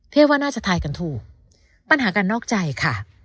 ว่าน่าจะทายกันถูกปัญหาการนอกใจค่ะ